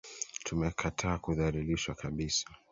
Tumekataa kudhalilishwa kabisa